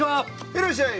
いらっしゃい！